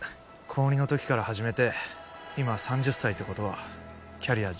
高２の時から始めて今３０歳ってことはキャリア